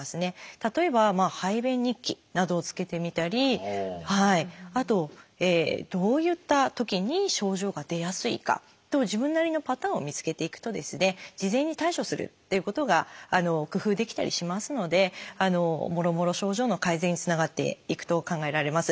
例えば排便日記などをつけてみたりあとどういったときに症状が出やすいか自分なりのパターンを見つけていくと事前に対処するということが工夫できたりしますのでもろもろ症状の改善につながっていくと考えられます。